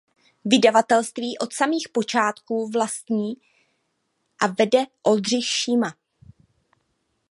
Vydavatelství od samých počátků vlastní a vede Oldřich Šíma.